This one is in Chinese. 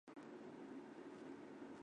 区块链是今年最火热的科技趋势了